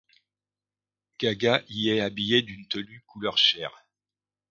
Gaga y est habillée d’une tenue couleur chair.